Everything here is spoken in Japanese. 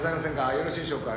よろしいでしょうか？